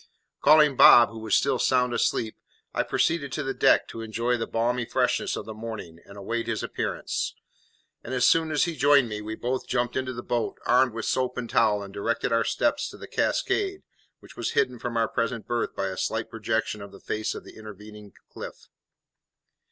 Calling Bob, who was still sound asleep, I proceeded to the deck to enjoy the balmy freshness of the morning and await his appearance; and as soon as he joined me we both jumped into the boat, armed with soap and towel, and directed our steps to the cascade, which was hidden from our present berth by a slight projection of the face of the intervening cliff.